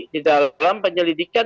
di dalam penyelidikan